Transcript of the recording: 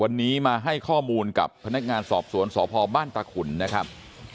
วันนี้มาให้ข้อมูลกับพนักงานสอบสวนสพบ้านตาขุนนะครับ